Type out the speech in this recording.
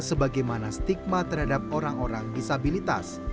sebagaimana stigma terhadap orang orang disabilitas